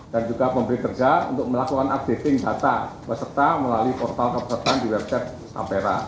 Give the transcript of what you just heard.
juga pemberi kerja untuk melakukan updating data peserta melalui portal kepesertaan di website ampera